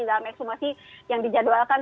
dalam ekshumasi yang dijadwalkan